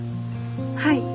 はい。